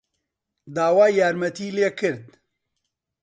داوای یارمەتیی لێ کرد.